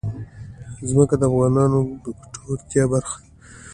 ځمکه د افغانانو د ګټورتیا برخه ده.